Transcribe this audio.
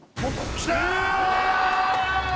きた！